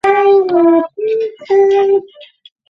利用其先后担任新京报社社长、总编辑